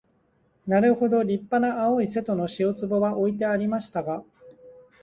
なるほど立派な青い瀬戸の塩壺は置いてありましたが、